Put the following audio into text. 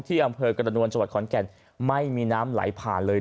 อำเภอกระนวลจังหวัดขอนแก่นไม่มีน้ำไหลผ่านเลย